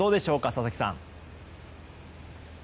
佐々木さん。